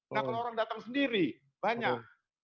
nah kalau orang datang sendiri banyak